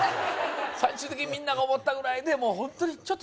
最終的にみんなが思ったぐらいでもうホントにちょっと